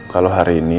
kalau hari ini